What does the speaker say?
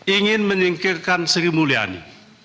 ingin menyingkirkan sri mulyani